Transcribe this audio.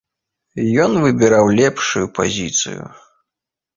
Ён выбіраў лепшую пазіцыю.